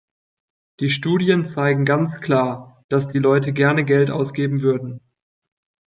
Die Studien zeigen ganz klar, dass die Leute gerne Geld ausgeben würden.